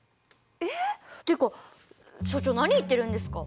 えってか所長何言ってるんですか。